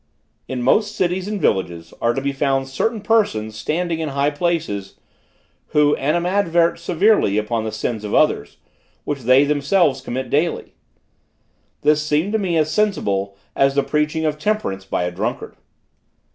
"In most cities and villages are to be found certain persons standing in high places, who animadvert severely upon the sins of others, which they themselves commit daily: this seemed to me as sensible as the preaching of temperance by a drunkard.